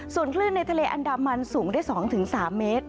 ส่วนคลื่นในทะเลอันดามันสูงได้๒๓เมตร